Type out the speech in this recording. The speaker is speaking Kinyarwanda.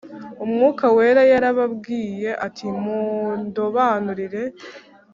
Umwuka Wera yarababwiye ati Mundobanurire